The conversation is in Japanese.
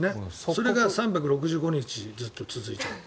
それが３６５日ずっと続いちゃって。